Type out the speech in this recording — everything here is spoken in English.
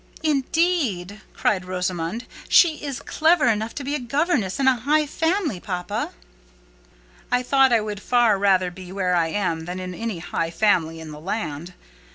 "Indeed," cried Rosamond, "she is clever enough to be a governess in a high family, papa." I thought I would far rather be where I am than in any high family in the land. Mr.